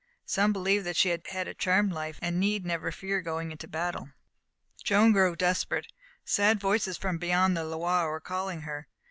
Some believed that she had a charmed life, and need never fear going into battle. Joan grew desperate. Sad voices from beyond the Loire were calling her.